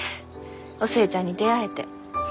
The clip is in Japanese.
お寿恵ちゃんに出会えて。